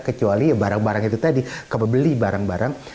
kecuali barang barang itu tadi kebeli barang barang